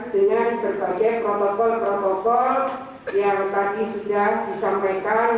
dengan berbagai protokol protokol yang tadi sudah disampaikan